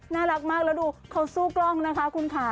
น่ารักมากแล้วดูเขาสู้กล้องนะคะคุณค่ะ